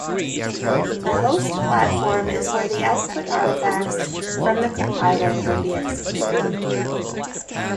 The "host platform" is where the output artifacts from the compiler will be executed.